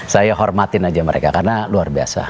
saya hormatin aja mereka karena luar biasa